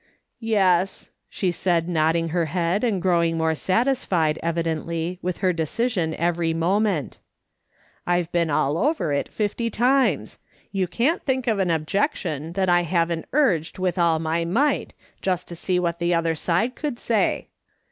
" Yes," she said, nodding her head and growing more satisfied evidently, with her decision every moment. " I've been all over it fifty times ; you can't think of an objection that I haven't urged with all my might, just to see what the other side could say.